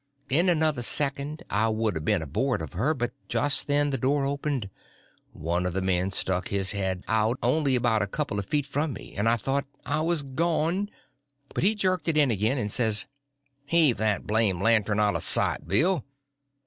In another second I would a been aboard of her, but just then the door opened. One of the men stuck his head out only about a couple of foot from me, and I thought I was gone; but he jerked it in again, and says: "Heave that blame lantern out o' sight, Bill!"